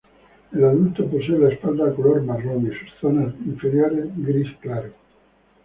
El adulto posee la espalda color marrón y sus zonas inferiores gris claro.